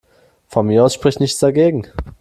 Von mir aus spricht nichts dagegen.